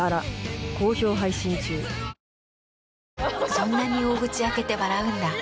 そんなに大口開けて笑うんだ。